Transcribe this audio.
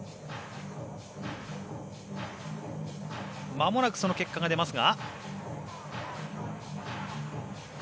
まもなく、その結果が出ますが。